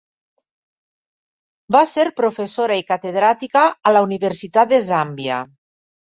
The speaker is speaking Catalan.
Va ser professora i catedràtica a la Universitat de Zàmbia.